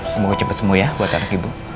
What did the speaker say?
semoga cepet semua ya buat anak ibu